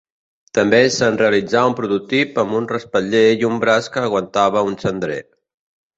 També se’n realitzà un prototip amb un respatller i un braç que aguantava un cendrer.